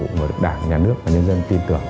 của đảng nhà nước và nhân dân tin tưởng